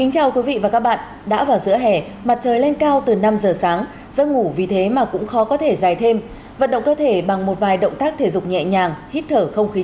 cảm ơn các bạn đã theo dõi